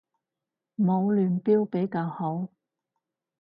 唔好亂標比較好